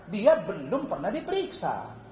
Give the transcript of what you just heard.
dia belum pernah diperiksa